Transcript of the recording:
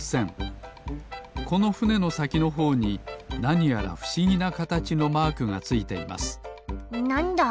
このふねのさきのほうになにやらふしぎなかたちのマークがついていますなんだ？